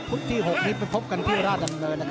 ที่๖นี้ไปพบกันที่ราชดำเนิน